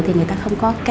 thì người ta không có